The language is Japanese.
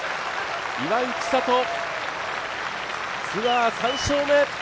岩井千怜、ツアー３勝目！